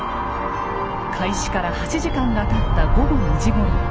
開始から８時間がたった午後２時ごろ。